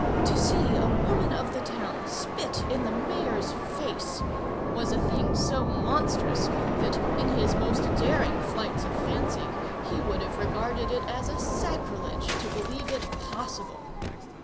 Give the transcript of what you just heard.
To see a woman of the town spit in the mayor's face was a thing so monstrous that, in his most daring flights of fancy, he would have regarded it as a sacrilege to believe it possible.